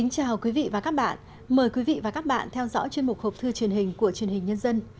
chào mừng quý vị đến với bộ phim học thư truyền hình của chuyên hình nhân dân